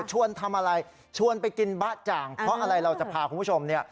ชวนทำอะไรชวนไปกินบ๊ะจ่างเพราะอะไรเราจะพาคุณผู้ชมเนี่ย